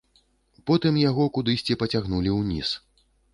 Потым яго кудысьці пацягнулі ўніз.